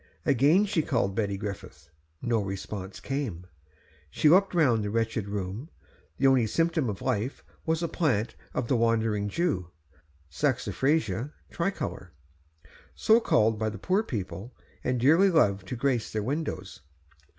Again she called Betty Griffith; no response came. She looked round the wretched room; the only symptom of life was a plant of the Wandering Jew (Saxifraga tricolor), so called by the poor people, and dearly loved to grace their windows.